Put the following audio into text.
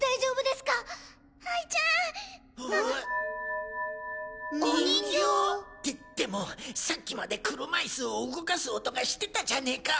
ででもさっきまで車イスを動かす音がしてたじゃねか。